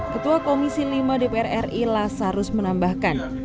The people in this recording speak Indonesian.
ketua komisi lima dpr ri lasarus menambahkan